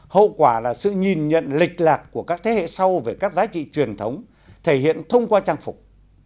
hậu quả là sự nhìn nhận lịch lạc của các thế hệ sau về các giá trị truyền thống thể hiện thông qua trang phục